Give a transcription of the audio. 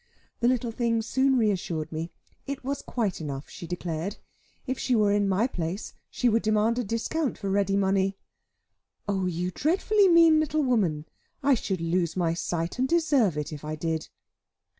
The little thing soon reassured me: it was quite enough, she declared; if she were in my place, she would demand a discount for ready money! "Oh you dreadfully mean little woman! I should lose my sight, and deserve it, if I did."